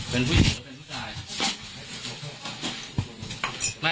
เป็นผู้หญิงหรือเป็นผู้ชาย